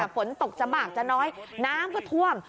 ฝนตกจะบากจะน้อยน้ำก็ท่วม